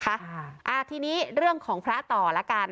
อ่าอ่าทีนี้เรื่องของพระต่อละกัน